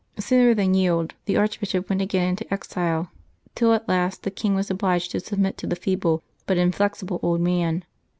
Sooner than yield, the archbishop went again into exile, till at last the king was obliged to submit to the feeble but inflexible old man.